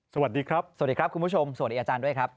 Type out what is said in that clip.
สวัสดีครับสวัสดีครับคุณผู้ชมสวัสดีอาจารย์ด้วยครับ